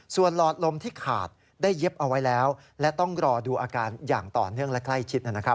ส่วนหลอดลมที่ขาดได้เย็บเอาไว้แล้วและต้องรอดูอาการอย่างต่อเนื่องและใกล้ชิด